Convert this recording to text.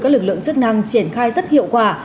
các lực lượng chức năng triển khai rất hiệu quả